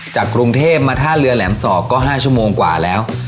กรุงเทพมาท่าเรือแหลมสอบก็๕ชั่วโมงกว่าแล้ว